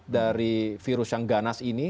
dari virus yang ganas ini